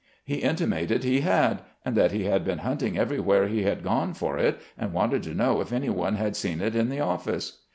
He intimated he had, and that he had been hunting everywhere he had gone, for it, and wanted to know if anyone had seen it in the office.